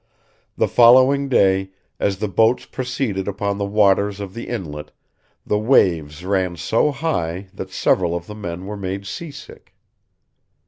The following day, as the boats proceeded upon the waters of the inlet, the waves ran so high that several of the men were made sea sick.